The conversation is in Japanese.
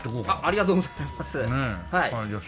ありがとうございます。